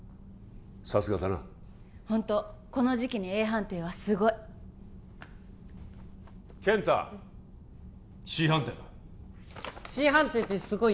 さすがだなホントこの時期にＡ判定はすごい健太Ｃ判定だＣ判定ってすごい？